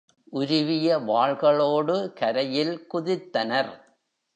உருவிய வாள்களோடு கரையில் குதித்தனர்.